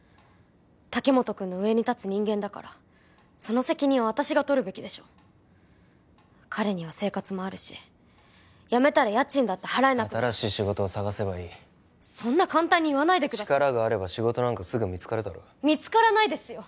竹本くんの上に立つ人間だからその責任は私が取るべきでしょ彼には生活もあるし辞めたら家賃だって払えなくなる新しい仕事を探せばいいそんな簡単に言わないでください力があれば仕事なんかすぐ見つかるだろう見つからないですよ